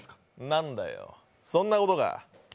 なんだよ、そんなことか。